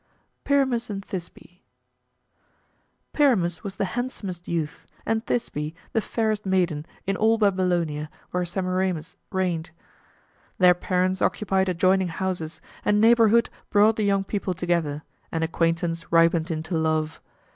PYRAMUS AND THISBE Pyramus was the handsomest youth, and Thisbe the fairest maiden, in all Babylonia, where Semiramis reigned. Their parents occupied adjoining houses; and neighborhood brought the young people together, and acquaintance ripened into love.